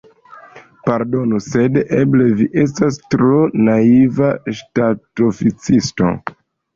Pardonu, sed eble vi estas tro naiva ŝtatoficisto!